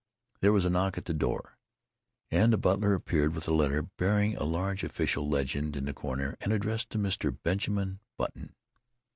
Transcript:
There was a knock at his door, and the butler appeared with a letter bearing a large official legend in the corner and addressed to Mr. Benjamin Button.